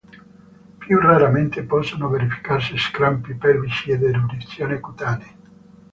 Più raramente possono verificarsi crampi pelvici ed eruzioni cutanee.